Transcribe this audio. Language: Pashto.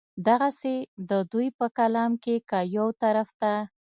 دغسې د دوي پۀ کلام کښې کۀ يو طرف ته